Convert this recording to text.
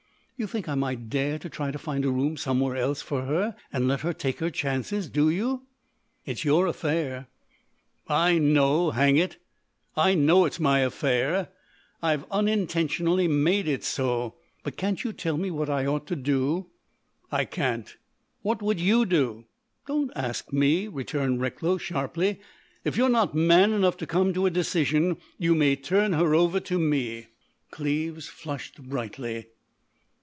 "You think I might dare try to find a room somewhere else for her and let her take her chances? Do you?" "It's your affair." "I know—hang it! I know it's my affair. I've unintentionally made it so. But can't you tell me what I ought to do?" "I can't." "What would you do?" "Don't ask me," returned Recklow, sharply. "If you're not man enough to come to a decision you may turn her over to me." Cleves flushed brightly.